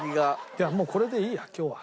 いやもうこれでいいや今日は。